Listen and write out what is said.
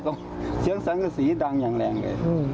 ตรงเชื้องสังกษีดังแหลงเลย